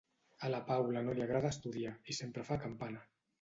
A la Paula no li agrada estudiar i sempre fa campana: